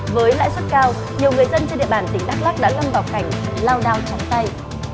với lãi suất cao nhiều người dân trên địa bàn tỉnh đắk lắc đã lâm vào cảnh lao đao trắng tay